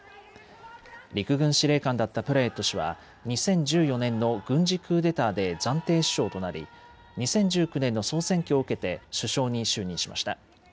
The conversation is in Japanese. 陸軍司令官だったプラユット氏は２０１４年の軍事クーデターで暫定首相となり２０１９年の総選挙を受けて首相に就任しました。